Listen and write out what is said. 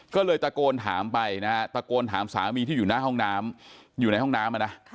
ก็เลยตะโกนถามไปนะครับตะโกนถามสามีที่อยู่ในห้องน้ำนะครับ